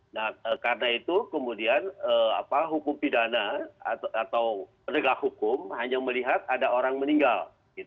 nah karena itu kemudian hukum pidana atau penegak hukum hanya melihat ada orang meninggal